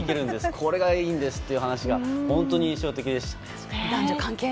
これがいいんですっていう話が本当に印象的でした。